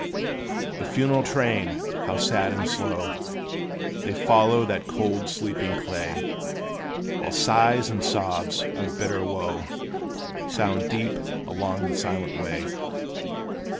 The funeral train, how sad and slow They follow that cold sleeping clay; While sighs and sobs of bitter wo Sound deep along the silent way.